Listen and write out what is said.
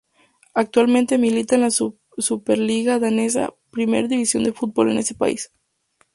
Actualmente milita en la Superliga Danesa, primera división del fútbol en ese país.